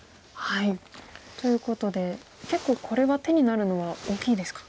ということで結構これは手になるのは大きいですか。